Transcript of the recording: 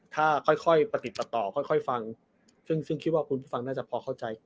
ถ้าค่อยประติดประต่อค่อยฟังซึ่งคิดว่าคุณผู้ฟังน่าจะพอเข้าใจ